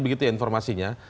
begitu ya informasinya